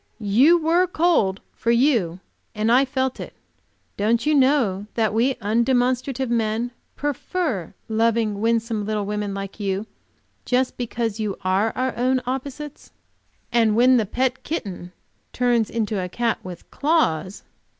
"You were cold, for you and I felt it. Don't you know that we undemonstrative men prefer loving winsome little women like you, just because you are our own opposites? And when the pet kitten turns into a cat with claws."